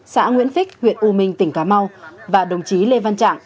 xã nguyễn phích huyện u minh tỉnh cà mau và đồng chí lê văn trạng